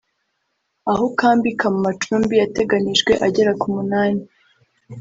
aho ukambika mu macumbi yateganijwe agera ku munani